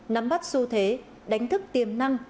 nắm bắt xu thế đánh thức tiềm năng